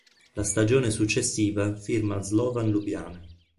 La stagione successiva firma al Slovan Lubiana.